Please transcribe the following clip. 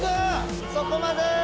そこまで！